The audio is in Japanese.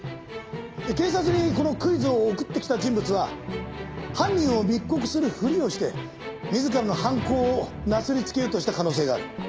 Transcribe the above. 警察にこのクイズを送ってきた人物は犯人を密告するふりをして自らの犯行をなすりつけようとした可能性がある。